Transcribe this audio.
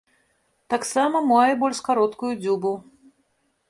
Таксама мае больш кароткую дзюбу.